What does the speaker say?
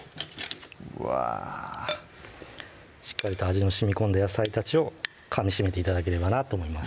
うわぁしっかりと味のしみこんだ野菜たちをかみしめて頂ければなと思います